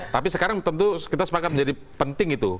tapi sekarang tentu kita sepakat menjadi penting itu